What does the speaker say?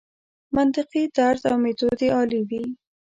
منطقي طرز او میتود یې عالي وي.